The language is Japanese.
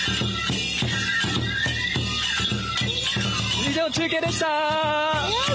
以上、中継でしたー！